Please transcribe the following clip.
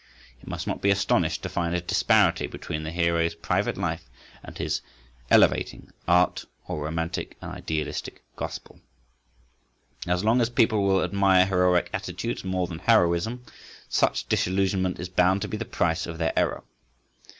It must not be astonished to find a disparity between the hero's private life and his "elevating" art or romantic and idealistic gospel. As long as people will admire heroic attitudes more than heroism, such disillusionment is bound to be the price of their error.